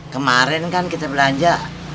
kemarin kan kita belanja